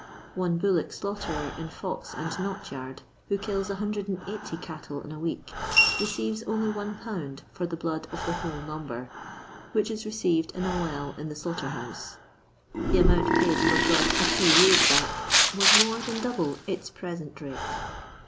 One bullock slaughterer in Pox and Knot yard, who kills 180 cattle in a week, receives only 1^. for the blood of the whole number, which is re ceived in a well in the sUughter house. The amount paid for blood a few year's back was more than double its present rate.